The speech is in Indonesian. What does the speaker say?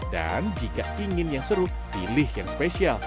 dan jika ingin yang seru pilih yang spesial